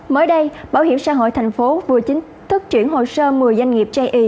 mới đây bảo hiểm xã hội thành phố vừa chính thức chuyển hồ sơ một mươi doanh nghiệp chê ý